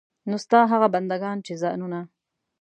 نو ستا هغه بندګان چې ځانونه.